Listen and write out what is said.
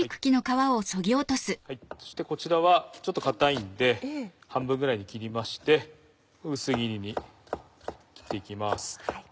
そしてこちらはちょっと硬いんで半分ぐらいに切りまして薄切りに切っていきます。